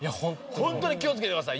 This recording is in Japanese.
ホントに気をつけてください。